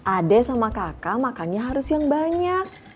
ade sama kakak makannya harus yang banyak